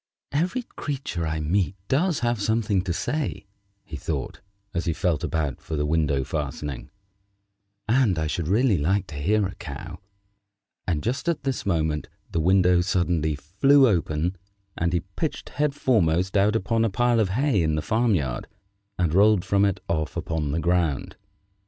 "Every creature I meet does have something to say," he thought, as he felt about for the window fastening, "and I should really like to hear a Cow" and just at this moment the window suddenly flew open, and he pitched head foremost out upon a pile of hay in the farm yard, and rolled from it off upon the ground.